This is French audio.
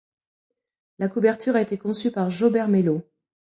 La couverture a été conçue par Jobert Mello.